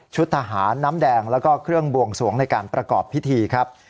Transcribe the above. ทหารน้ำแดงแล้วก็เครื่องบวงสวงในการประกอบพิธีครับ